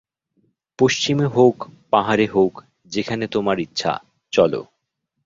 পশ্চিমে হউক, পাহাড়ে হউক, যেখানে তোমার ইচ্ছা, চলো।